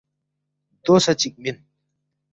”دو سہ چِک مِن